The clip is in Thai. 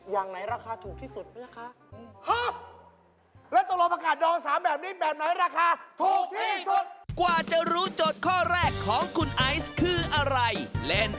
ตานกพิราบเช่นกันอันนี้ราคาถูกสุด